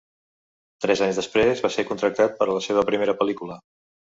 Tres anys després va ser contractat per a la seva primera pel·lícula.